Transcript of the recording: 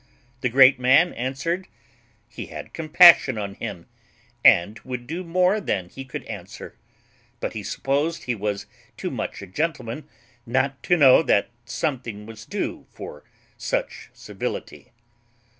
The great man answered, "He had compassion on him, and would do more than he could answer; but he supposed he was too much a gentleman not to know that something was due for such civility."